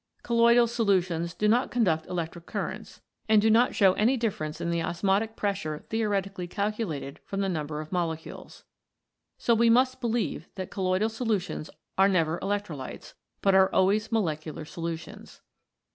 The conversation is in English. Colloidal solutions do not conduct electric currents and do not show 21 CHEMICAL PHENOMENA IN LIFE any difference in the osmotic pressure theoretically calculated from the number of molecules. So we must believe that colloidal solutions are never electrolytes, but are always molecular solutions.